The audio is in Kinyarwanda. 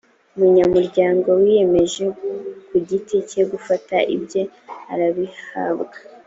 umunyamuryango wiyemeje kugiti cye gufata ibye arabihabwa